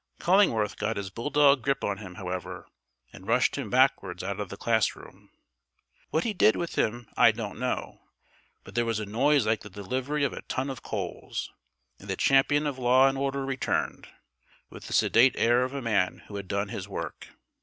Cullingworth got his bulldog grip on him, however, and rushed him backwards out of the class room. What he did with him I don't know, but there was a noise like the delivery of a ton of coals; and the champion of law and order returned, with the sedate air of a man who had done his work.